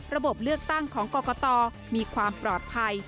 ระบบเลือกตั้งของกรกตมีความปลอดภัย